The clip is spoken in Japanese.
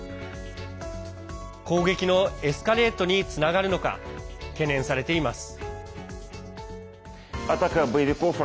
攻撃のエスカレートにつながるのか、懸念されています。